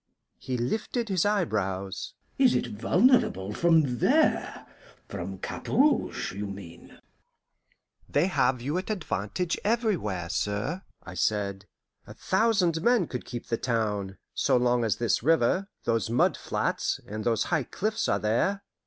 He lifted his eyebrows. "Is it vulnerable from there? From Cap Rouge, you mean?" "They have you at advantage everywhere, sir," I said. "A thousand men could keep the town, so long as this river, those mud flats, and those high cliffs are there."